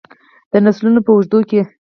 د نسلونو په اوږدو کې.